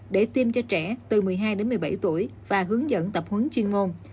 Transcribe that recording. để tiêm cho trẻ từ một mươi hai đến một mươi bảy tuổi và hướng dẫn tập huấn chuyên môn